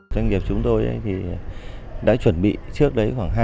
doanh nghiệp chúng tôi đã chuẩn bị trước đấy khoảng hai ba năm